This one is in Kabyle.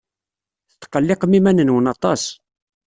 Tetqelliqem iman-nwen aṭas.